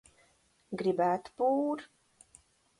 Grib?tu p?r